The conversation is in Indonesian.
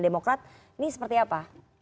demokrat ini seperti apa